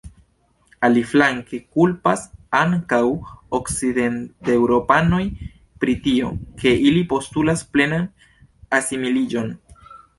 Aliflanke, kulpas ankaŭ okcidenteŭropanoj pri tio, ke ili postulas plenan asimiliĝon.